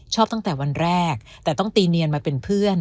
ตั้งแต่วันแรกแต่ต้องตีเนียนมาเป็นเพื่อน